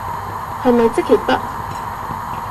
係咪即係得？